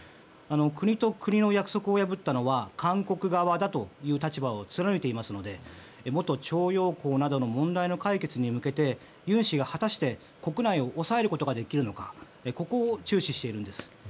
国と国の約束を破ったのは韓国側だという立場を貫いていますので元徴用工などの問題の解決に向けて尹氏が果たして国内を抑えることができるのかここを注視しているんです。